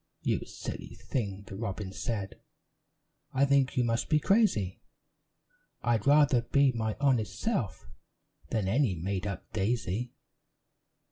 "You silly thing!" the robin said, "I think you must be crazy; I'd rather be my honest self Than any made up daisy.